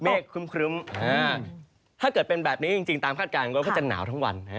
ครึ้มถ้าเกิดเป็นแบบนี้จริงตามคาดการณ์ก็จะหนาวทั้งวัน